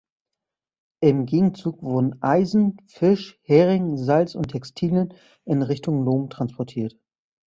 Im Gegenzug wurden Eisen, Fisch, Hering, Salz und Textilien in Richtung Lom transportiert.